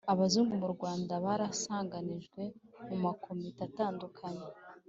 abazungu mu Rwanda basaranganijwe mu makominote atandukanye